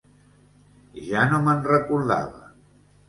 Ja no me'n recordava.